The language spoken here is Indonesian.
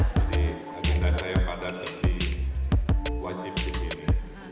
jadi agenda saya pada tetapi wajib di sini